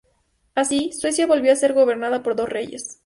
Así, Suecia volvió a ser gobernada por dos reyes.